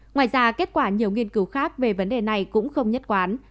ngoài ra kết quả nhiều nghiên cứu khác về vấn đề này cũng không nhất quán